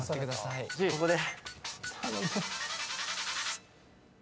ここで。